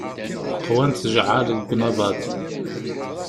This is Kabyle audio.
Qwant tjeɛɛal deg unabaḍ.